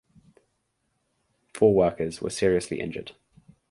Four workers were seriously injured.